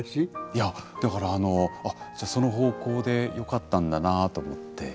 いやだからあの「あっじゃあその方向でよかったんだなあ」と思って。